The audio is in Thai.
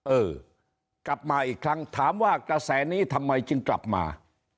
เออกลับมาอีกครั้งถามว่ากระแสนี้ทำไมจึงกลับมา